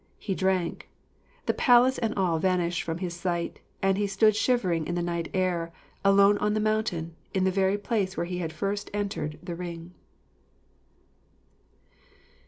He drank: the palace and all vanished from his sight, and he stood shivering in the night air, alone on the mountain, in the very place where he had first entered the ring.